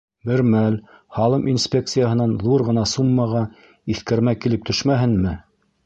Бер мәл һалым инспекцияһынан ҙур ғына суммаға иҫкәрмә килеп төшмәһенме!